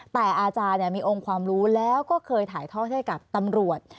แต่อาจารย์มีองค์ความรู้แล้วก็เคยถ่ายทอดให้กับตำรวจ